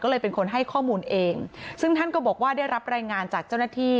ก็เลยเป็นคนให้ข้อมูลเองซึ่งท่านก็บอกว่าได้รับรายงานจากเจ้าหน้าที่